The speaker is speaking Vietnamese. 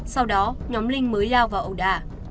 sau đó nhóm linh mới lao vào ẩu đả